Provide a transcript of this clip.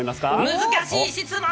難しい質問！